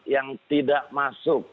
yang tidak masuk